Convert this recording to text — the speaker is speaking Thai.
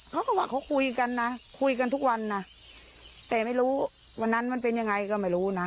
เขาก็ว่าเขาคุยกันนะคุยกันทุกวันนะแต่ไม่รู้วันนั้นมันเป็นยังไงก็ไม่รู้นะ